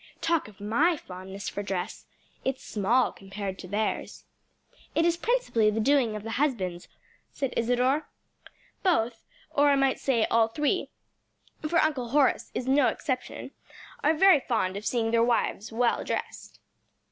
Talk of my fondness for dress! It's small compared to theirs." "It is principally the doing of the husbands," said Isadore. "Both or I might say all three, for Uncle Horace is no exception are very fond of seeing their wives well dressed."